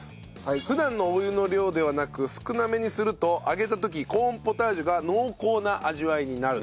普段のお湯の量ではなく少なめにすると揚げた時コーンポタージュが濃厚な味わいになる。